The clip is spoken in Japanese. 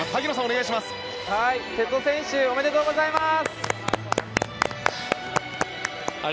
瀬戸選手おめでとうございます！